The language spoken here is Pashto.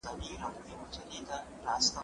د اسمان كنارې خړي